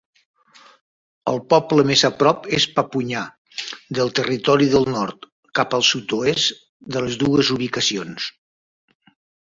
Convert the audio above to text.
El poble més a prop és Papunya, del Territori del Nord, cap al sud-oest de les dues ubicacions.